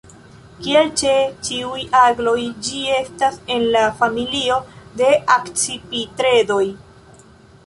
Kiel ĉe ĉiuj agloj, ĝi estas en la familio de Akcipitredoj.